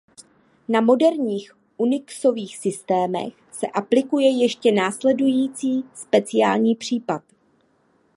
Na moderních Unixových systémech se aplikuje ještě následující speciální případ.